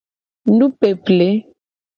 Nupeple.